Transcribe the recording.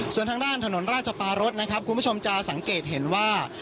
ส่วนทางด้านถนนราชปารสนะครับคุณผู้ชมจะสังเกตเห็นว่า